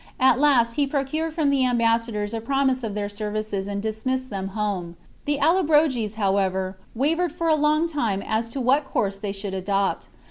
At last he pro chap. cured from the ambassadors a promise of their services, and dismissed them home. The AUobroges, chap. ^ XLI. however, wavered for a long time as to what course they should adopt.